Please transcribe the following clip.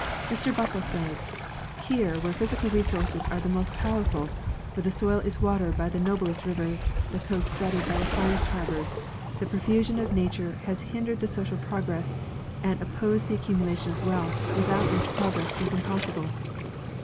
Mr Buckle says: * Here, where physical resources are the most powerful, where the soil is watered by the noblest rivers, the coast studded by the finest harbors, the profusion of nature has hindered social progress and opposed that accumulation of wealth without which prog ress is impossible."